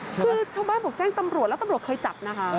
คือชาวบ้านบอกแจ้งตำรวจแล้วตำรวจเคยจับนะคะ